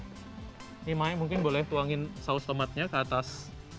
ini maya mungkin boleh tuangin saus tomatnya ke atas